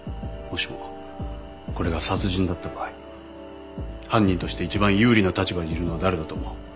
もしもこれが殺人だった場合犯人として一番有利な立場にいるのは誰だと思う？